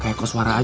kayak koswara aja